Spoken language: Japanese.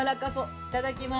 いただきます。